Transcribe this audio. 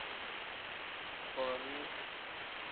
Booniisi.